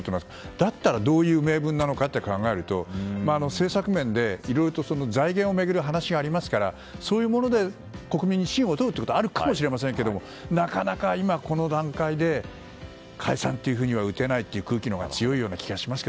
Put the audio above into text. だったらどういう名分なのかと考えると政策面で、いろいろと財源を巡る話がありますからそういうもので国民に信を問うことはあるかもしれませんがなかなか今、この段階で解散というふうには打てないという空気が強いと思います。